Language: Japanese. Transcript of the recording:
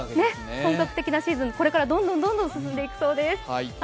本格的なシーズン、これからどんどん進んでいくそうです。